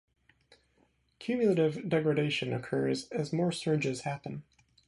Cumulative degradation occurs as more surges happen.